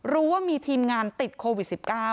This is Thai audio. รู้ว่ามีทีมงานติดโควิด๑๙